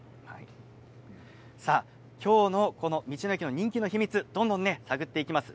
今日の道の駅の人気の秘密をどんどん探っていきます。